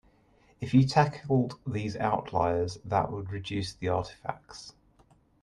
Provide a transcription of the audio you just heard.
If you tackled these outliers that would reduce the artifacts.